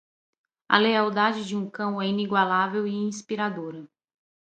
A lealdade de um cão é inigualável e inspiradora.